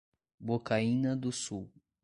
Bocaina do Sul